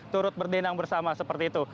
turut berdendang bersama seperti itu